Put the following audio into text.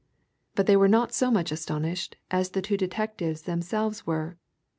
But they were not so much astonished as the two detectives themselves were.